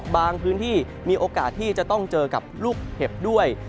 บางพื้นที่มีโอกาสต้องเห็นกับลูกเห็บด้วย